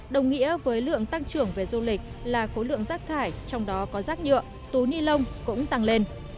đồng nghĩa với lượng tăng trưởng về du lịch là khối lượng rác thải trong đó có rác nhựa túi ni lông cũng tăng lên